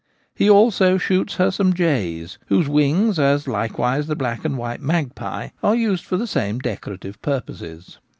He also shoots her some jays, whose wings — as likewise the black and white magpie — are used for the same decorative purposes.